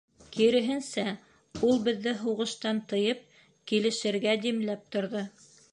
Киреһенсә, ул беҙҙе һуғыштан тыйып, килешергә димләп торҙо.